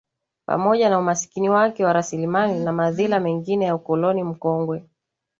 Pamoja na umasikini wake wa rasilimali na madhila mengine ya ukoloni mkongwe